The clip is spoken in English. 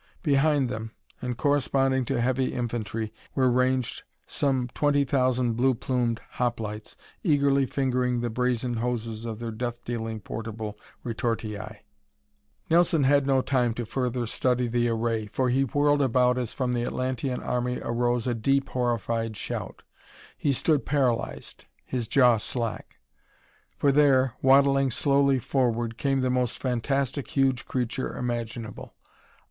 Behind them, and corresponding to heavy infantry, were ranged some twenty thousand blue plumed hoplites, eagerly fingering the brazen hoses of their death dealing portable retortii. Nelson had no time to further study the array, for he whirled about as from the Atlantean army arose a deep, horrified shout. He stood paralyzed, his jaw slack. For there, waddling slowly forward, came the most fantastic huge creature imaginable.